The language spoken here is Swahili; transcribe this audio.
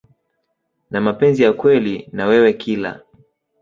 na mapenzi ya kweli na wewe Kila